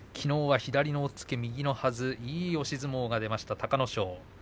左の押っつけ、右のはずに押し相撲が出ました隆の勝です。